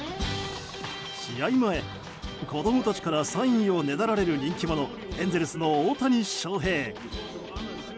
試合前、子供たちからサインをねだられる人気者エンゼルスの大谷翔平。